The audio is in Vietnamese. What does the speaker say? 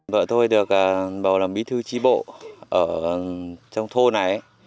vợ tôi là mỹ thư chi bộ ở trong thô này